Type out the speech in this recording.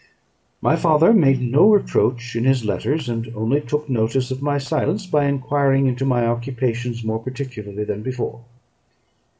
My father made no reproach in his letters, and only took notice of my silence by enquiring into my occupations more particularly than before.